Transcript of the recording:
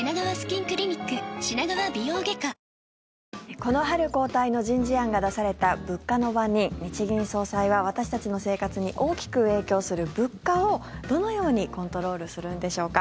この春交代の人事案が出された物価の番人、日銀総裁は私たちの生活に大きく影響する物価をどのようにコントロールするんでしょうか。